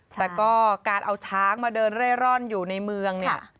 แต่ก็การเอาช้างมาเดินเร่ร่อนอยู่ในเมืองเนี่ย